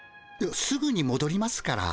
すぐにもどりますから。